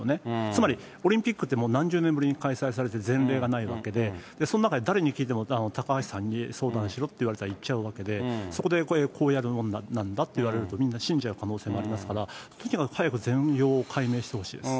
つまりオリンピックってもう何十年ぶりに開催されて、前例がないわけで、その中で誰に聞いても高橋さんに相談しろって言われたら行っちゃうわけで、そこでこうやるもんなんだっていわれると、みんな信じちゃう可能性もありますから、早く全容解明してもらいたいです。